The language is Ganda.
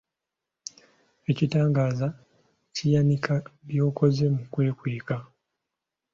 Ekitangaaza kiyanika by'okoze mu kwekweka.